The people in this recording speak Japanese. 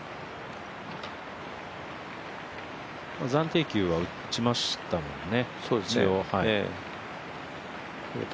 暫定球は打ちましたもんね。